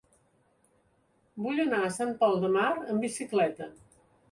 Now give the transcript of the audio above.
Vull anar a Sant Pol de Mar amb bicicleta.